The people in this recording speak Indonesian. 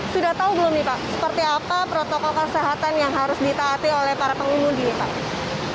sudah tahu belum nih pak seperti apa protokol kesehatan yang harus ditaati oleh para pengemudi pak